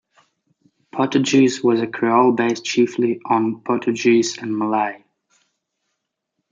Portugis was a creole based chiefly on Portuguese and Malay.